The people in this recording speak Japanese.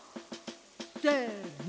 せの！